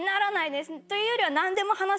というよりは。